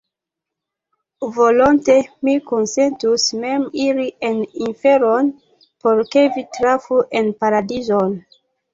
Volonte mi konsentus mem iri en inferon, por ke vi trafu en paradizon!